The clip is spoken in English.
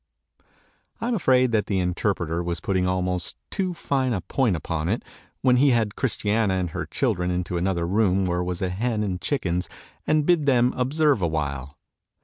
I am afraid that the Interpreter was putting almost too fine a point upon it, when he had Christiana and her children into another room where was a hen and chickens, and bid them observe awhile.